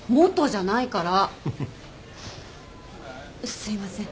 すいません。